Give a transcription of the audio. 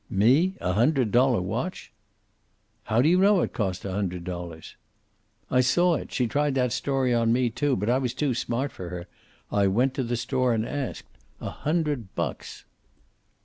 "Me? A hundred dollar watch!" "How do you know it cost a hundred dollars?" "I saw it. She tried that story on me, too. But I was too smart for her. I went to the store and asked. A hundred bucks!"